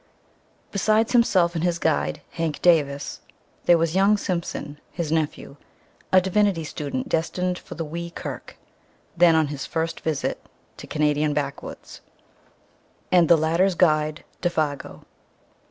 Besides himself and his guide, Hank Davis, there was young Simpson, his nephew, a divinity student destined for the "Wee Kirk" (then on his first visit to Canadian backwoods), and the latter's guide, Défago.